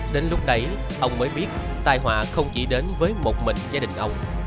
đến lúc đấy ông mới biết tài họa không chỉ đến với một mình gia đình ông